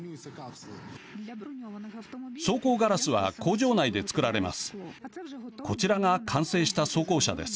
装甲ガラスは工場内で作られます。